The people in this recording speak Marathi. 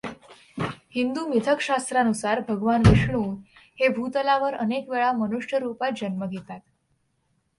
हिंदु मिथकशास्त्रानुसार भगवान विष्णु हे भूतलावर अनेक वेळा मनुष्यरूपात जन्म घेतात.